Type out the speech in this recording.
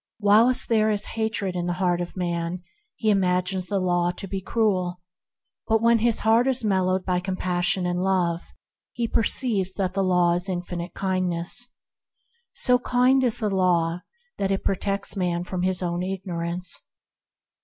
While there is hatred in the heart of man, he imagines the Law to be cruel; but when his heart is mellowed 130 THE HEAVENLY LIFE by Compassion and by Love, he perceives that the Law is Infinite Kindness. So kind is the Law that it protects man against his own ignorance.